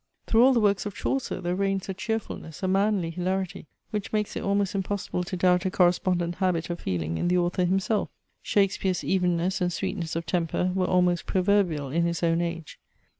Through all the works of Chaucer there reigns a cheerfulness, a manly hilarity which makes it almost impossible to doubt a correspondent habit of feeling in the author himself. Shakespeare's evenness and sweetness of temper were almost proverbial in his own age.